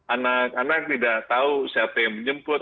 anak anak tidak tahu siapa yang menjemput